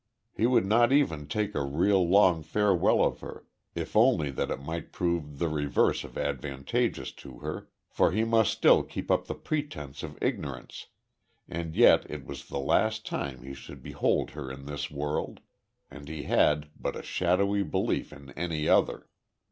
He would not even take a real, long farewell of her, if only that it might prove the reverse of advantageous to her, for he must still keep up the pretence of ignorance, and yet it was the last time he should behold her in this world, and he had but a shadowy belief in any other.